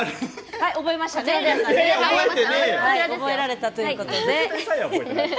覚えられたということで。